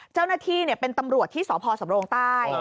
เจ้าหน้าที่เนี่ยเป็นตำรวจที่สศสำรงค์ใต้